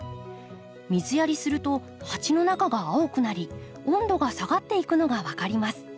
水やりすると鉢の中が青くなり温度が下がっていくのが分かります。